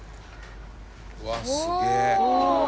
「うわっすげえ！」